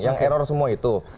yang error semua itu